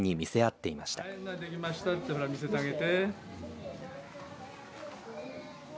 できましたってほら見せてあげて。